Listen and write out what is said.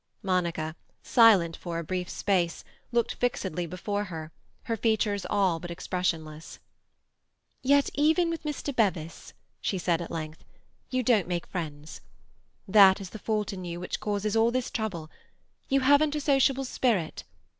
Monica, silent for a brief space, looked fixedly before her, her features all but expressionless. "Yet even with Mr. Bevis," she said at length, "you don't make friends. That is the fault in you which causes all this trouble. You haven't a sociable spirit.